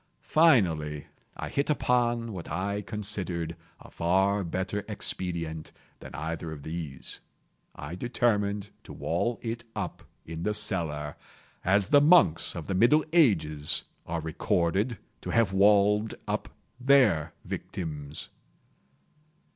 Finally I hit upon what I considered a far better expedient than either of these. I determined to wall it up in the cellar—as the monks of the middle ages are recorded to have walled up their victims.